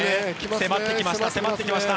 迫ってきました。